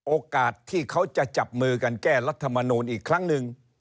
โอกาสที่เขาจะจับมือกันแก้รัฐมนูลอีกครั้งหนึ่ง